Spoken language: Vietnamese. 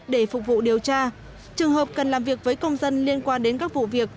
để phục vụ điều tra trường hợp cần làm việc với công dân liên quan đến các vụ việc